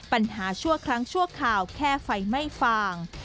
ปัญหาชั่วครั้งชั่วข่าวแค่ไฟไม่ฟาง